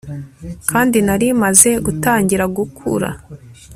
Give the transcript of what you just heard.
kandi nari maze gutangira gukura